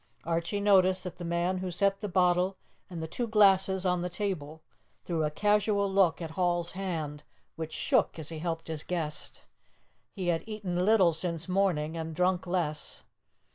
Archie noticed that the man who set the bottle and the two glasses on the table threw a casual look at Hall's hand, which shook as he helped his guest. He had eaten little since morning, and drunk less.